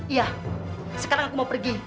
iya sekarang aku mau pergi